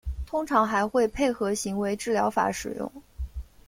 通常还会配合行为治疗法使用。